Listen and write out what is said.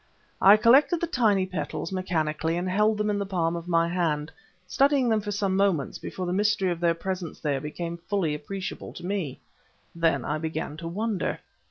I collected the tiny petals, mechanically, and held them in the palm of my hand studying them for some moments before the mystery of their presence there became fully appreciable to me. Then I began to wonder.